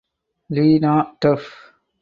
Li Na def.